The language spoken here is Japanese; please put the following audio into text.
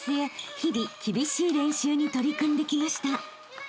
日々厳しい練習に取り組んできました］